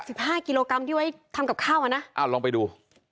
สิบห้ากิโลกรัมที่ไว้ทำกับข้าวอ่ะนะอ้าวลองไปดู